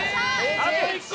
あと１個！